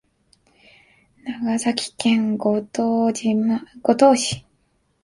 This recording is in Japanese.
長崎県五島市